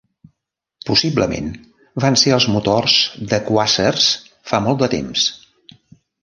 Possiblement, van ser els motors de quàsars fa molt de temps.